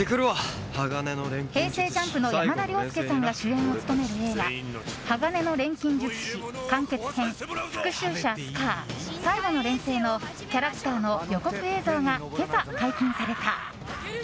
ＪＵＭＰの山田涼介さんが主演を務める映画「鋼の錬金術師完結編復讐者スカー／最後の錬成」のキャラクターの予告映像が今朝、解禁された。